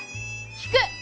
聞く！